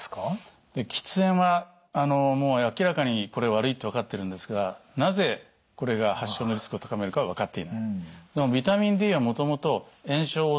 喫煙はもう明らかにこれ悪いと分かってるんですがなぜこれが発症のリスクを高めるかは分かっていない。